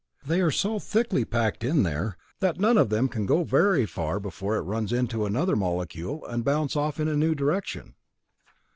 They are so thickly packed in there, that none of them can go very far before it runs into another molecule and bounces off in a new direction.